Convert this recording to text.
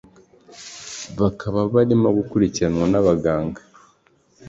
bakaba barimo gukurikiranwa n’abaganga